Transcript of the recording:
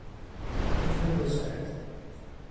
تخم دو زرده